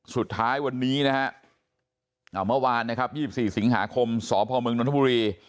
สุดท้ายวันนี้เมื่อวาน๒๔สิงหาคมสพนธบุรี